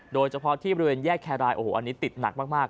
โดยเฉพาะที่บริเวณแยกแครรายโอ้โหอันนี้ติดหนักมาก